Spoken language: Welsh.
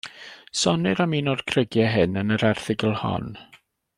Sonnir am un o'r crugiau hyn yn yr erthygl hon.